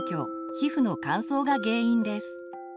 皮膚の乾燥が原因です。